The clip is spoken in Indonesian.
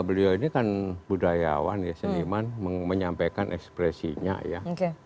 beliau ini kan budayawan ya seniman menyampaikan ekspresinya ya